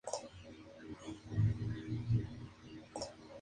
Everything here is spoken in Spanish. Además estudia Ingeniería de Telecomunicaciones.